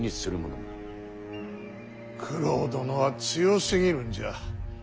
九郎殿は強すぎるんじゃ。